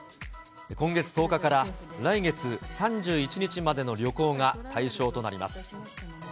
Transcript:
今月１０日から来月３１日までの旅行が対象となります。